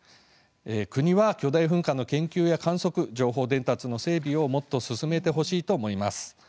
国は巨大噴火の研究や観測情報伝達の整備をもっと進めてほしいと思います。